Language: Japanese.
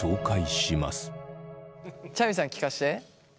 ちゃみさん聞かして。